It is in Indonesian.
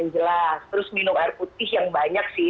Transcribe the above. jelas terus minum air putih yang banyak sih